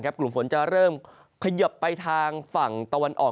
กลุ่มฝนจะเริ่มเขยิบไปทางฝั่งตะวันออก